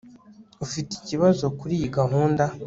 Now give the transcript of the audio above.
ufite ikibazo kuriyi gahunda